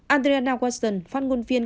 adriana watson phát ngôn viên